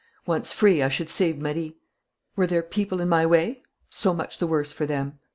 Once free, I should save Marie. Were there people in my way? So much the worse for them.